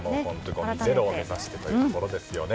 ごみゼロを目指してというところですね。